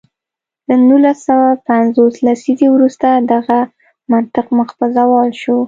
له نولس سوه پنځوس لسیزې وروسته دغه منطق مخ په زوال شو.